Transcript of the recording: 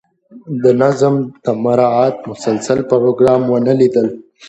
د نظم د مراعات مسلسل پروګرام ونه لیدل.